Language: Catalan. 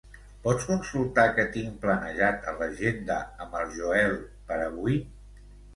Pots consultar què tinc planejat a l'agenda amb el Joel per avui?